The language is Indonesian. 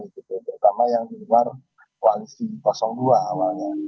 terutama yang di luar koalisi dua awalnya